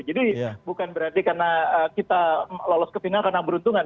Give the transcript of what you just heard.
jadi bukan berarti karena kita lolos ke final karena keberuntungan